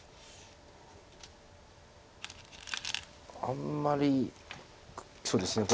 あんまりそうですね